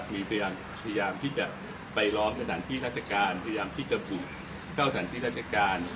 มีพยายามที่จะไปล้อมสถานที่ราชการพยายามที่จะบุกเข้าสถานที่ราชการ